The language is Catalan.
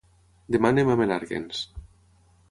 Demà anam a Menàrguens.